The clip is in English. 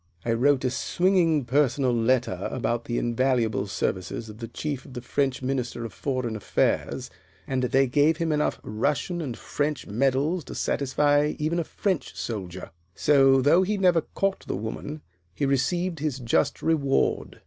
"I wrote a swinging personal letter about the invaluable services of the Chief to the French Minister of Foreign Affairs, and they gave him enough Russian and French medals to satisfy even a French soldier. So, though he never caught the woman, he received his just reward."